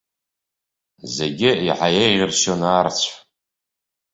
Зегьы еиҳа еиӷьаршьон аарцә.